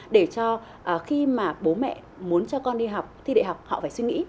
để cho khi mà bố mẹ muốn cho con đi học thì đại học họ phải suy nghĩ